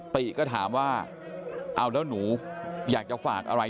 ติก็ถามว่าเอาแล้วหนูอยากจะฝากอะไร